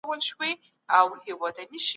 ادبیات د ذهن د پراختیا لپاره غوره وسیله ده.